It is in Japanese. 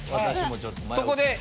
そこで。